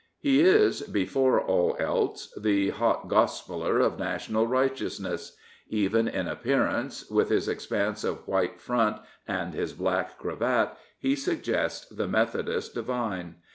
He is, before all else, the hot gospeller of national righteousness. Even in appearance, with his expanse of white " front " and his black cravat, he suggests the Methodist divine.